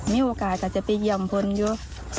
มีโอกาสก็จะไปเยี่ยมคนอยู่